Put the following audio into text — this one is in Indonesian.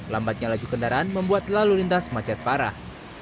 lambatnya laju kendaraan membuat lalu lintas macet parah